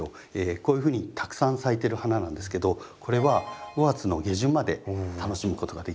こういうふうにたくさん咲いてる花なんですけどこれは５月の下旬まで楽しむことができます。